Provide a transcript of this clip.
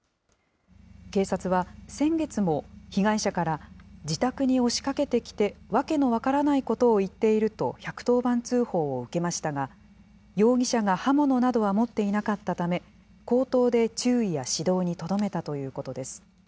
警察は先月も被害者から、自宅に押しかけてきて、訳の分からないことを言っていると１１０番通報を受けましたが、容疑者が刃物などは持っていなかったため、口頭で注意や指導にとどめたということです。